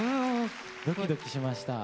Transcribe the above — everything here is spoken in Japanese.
ドキドキしました。